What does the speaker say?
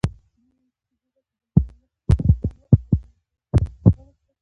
زموږ په ځمکه کې د مماڼو او بیرو ونې شته.